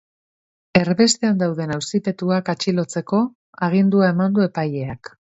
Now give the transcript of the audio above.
Erbestean dauden auzipetuak atxilotzeko agindua eman du epaileak.